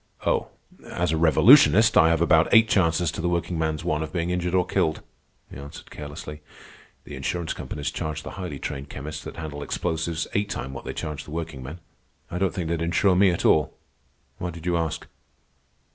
"Oh, as a revolutionist, I have about eight chances to the workingman's one of being injured or killed," he answered carelessly. "The insurance companies charge the highly trained chemists that handle explosives eight times what they charge the workingmen. I don't think they'd insure me at all. Why did you ask?"